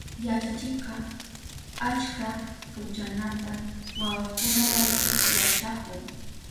Yachachikka achka pukllanata wawakunarayku yachahun.